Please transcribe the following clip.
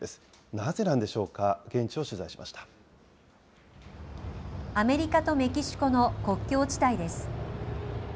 なぜなんでしょうか、アメリカとメキシコの国境地帯です。